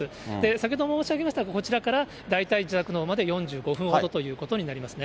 先ほど申し上げましたが、こちらから大体自宅のほうまで４５分ほどということになりますね。